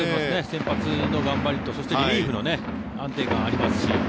先発の頑張りとそして、リリーフも安定感ありますし。